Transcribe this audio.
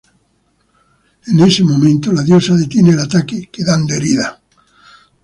En ese momento la diosa detiene el ataque, quedando herida.